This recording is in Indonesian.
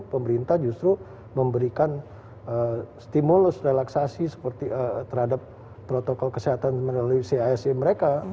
pemerintah justru memberikan stimulus relaksasi terhadap protokol kesehatan melalui cisa mereka